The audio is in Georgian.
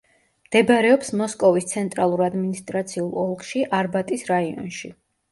მდებარეობს მოსკოვის ცენტრალურ ადმინისტრაციულ ოლქში არბატის რაიონში.